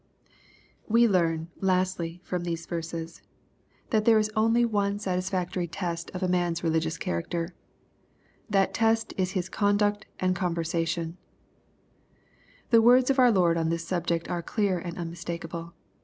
We learn, lastly, from these verses, that there is only 192 EXPOSITORY THOUGHTS. one satisfactory teat of a marCa rdigioua character. Thai test ia hia conduct and converaation. The words of our Lord on this subject are clear and unmistakeable.